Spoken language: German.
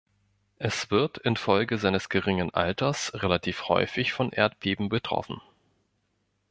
Es wird infolge seines geringen Alters relativ häufig von Erdbeben betroffen.